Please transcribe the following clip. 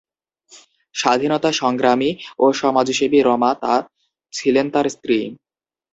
স্বাধীনতা সংগ্রামী ও সমাজসেবী রমা তা ছিলেন তার স্ত্রী।